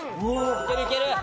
いけるいける！